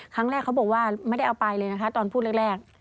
เขาบอกว่าไม่ได้เอาไปเลยนะคะตอนพูดแรก